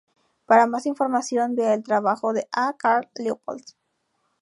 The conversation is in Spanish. Para más información vea el trabajo de A. Carl Leopold.